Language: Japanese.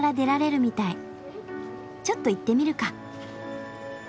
ちょっと行ってみるか。